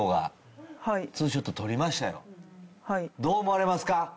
どう思われますか？